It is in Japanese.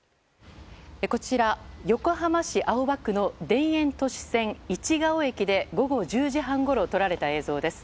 こちら横浜市青葉区の田園都市線市が尾駅で午後１０時半ごろ撮られた映像です。